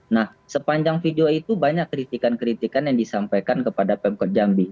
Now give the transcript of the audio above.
nah sepanjang video itu banyak kritikan kritikan yang disampaikan kepada pemkot jambi